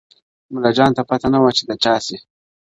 ملاجان ته پته نه وه چي د چا سي -